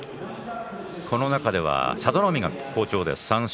この中では佐田の海が好調です。